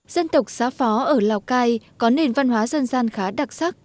dân tộc xá phó ở lào cai có nền văn hóa dân gian khá đặc sắc